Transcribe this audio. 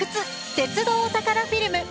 鉄道お宝フィルム」。